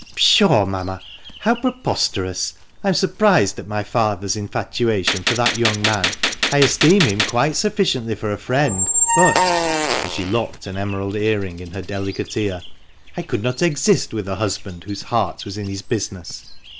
" Pshaw, mamma ? how preposterous ! I am surprised at my father's infatuation for that young man. I esteem him quite sufficiently for a friend, but" — and she locked an emerald earring in her delicate ear — "I could not exist with a husband whose THE MANCHESTER MAN. 381 heart was in his business.